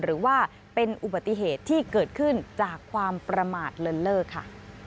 หรือว่าเป็นอุบัติเหตุที่เกิดขึ้นจากความประมาทเลินเลิกค่ะ